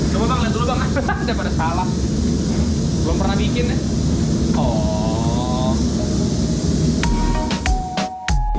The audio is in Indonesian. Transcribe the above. coba bang lihat dulu bang udah pada salah belum pernah bikin ya